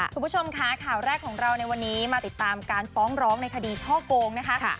คุณผู้ชมค่ะข่าวแรกของเราในวันนี้มาติดตามการฟ้องร้องในคดีช่อโกงนะคะ